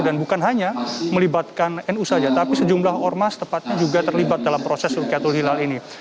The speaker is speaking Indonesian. dan bukan hanya melibatkan nu saja tapi sejumlah ormas tepatnya juga terlibat dalam proses rukiatul hilal ini